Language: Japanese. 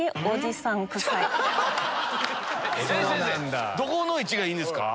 先生どこの位置がいいんですか？